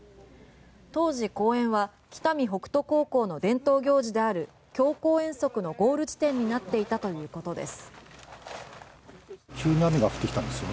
当時、公園は北見北斗高校の伝統行事である強行遠足のゴール地点になっていたということです。